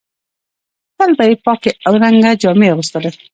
تل به یې پاکې او رنګه جامې اغوستلې.